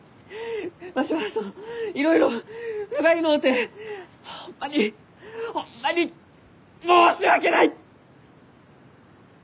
わしはそのいろいろふがいのうてホンマにホンマに申し訳ない！